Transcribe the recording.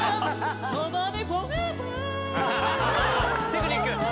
テクニック。